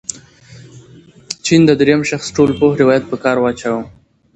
جین د درېیم شخص ټولپوه روایت په کار واچاوه.